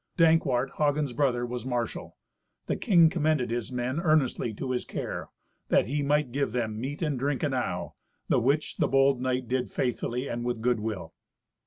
Dankwart, Hagen's brother, was marshal. The king commended his men earnestly to his care, that he might give them meat and drink enow, the which the bold knight did faithfully and with good will.